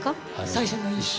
最初の印象。